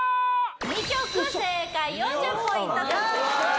２曲正解４０ポイント獲得です・